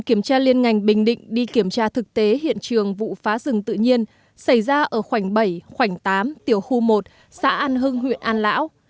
khi kiểm tra thực tế hiện trường vụ phá rừng tự nhiên xảy ra ở khoảnh bảy khoảnh tám tiểu khu một xã an hưng huyện an lão